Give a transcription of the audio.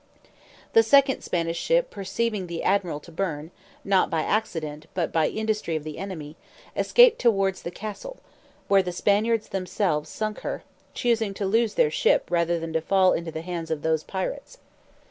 The second Spanish ship perceiving the admiral to burn, not by accident, but by industry of the enemy, escaped towards the castle, where the Spaniards themselves sunk her, choosing to lose their ship rather than to fall into the hands of those pirates.